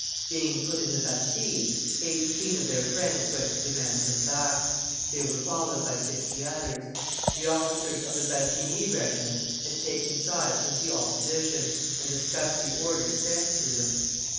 Being put in the Bastille, eighteen of their friends went to demand then back; they were followed by fifty others. The officers of the Bassigny regiment had taken sides with the opposition, and discussed the orders sent to them.